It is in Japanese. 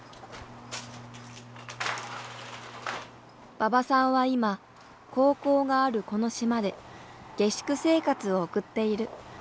馬場さんは今高校があるこの島で下宿生活を送っている。